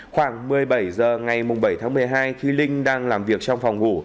khoảng một mươi bảy h ngày bảy tháng một mươi hai khi linh đang làm việc trong phòng ngủ